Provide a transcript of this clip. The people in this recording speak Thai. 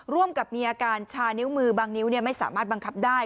ร่วมกับมีอาการชานิ้วมือบางนิ้วไม่สามารถบังคับได้